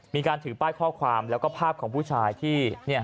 มีการถือป้ายข้อความแล้วก็ภาพของผู้ชายที่